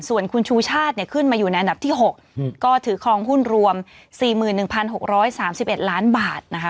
ส่วนคุณชูชาติขึ้นมาอยู่ในอันดับที่๖ก็ถือครองหุ้นรวม๔๑๖๓๑ล้านบาทนะคะ